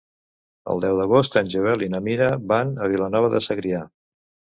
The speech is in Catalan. El deu d'agost en Joel i na Mira van a Vilanova de Segrià.